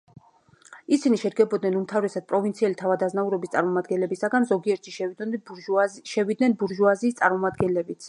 ისინი შედგებოდნენ უმთავრესად პროვინციელი თავადაზნაურობის წარმომადგენლებისაგან, ზოგიერთში შევიდნენ ბურჟუაზიის წარმომადგენლებიც.